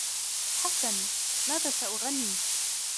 حسن ، ماذا سأغني ؟